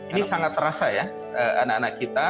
ini sangat terasa ya anak anak kita